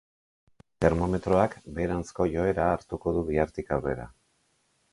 Termometroak beheranzko joera hartuko du bihartik aurrera.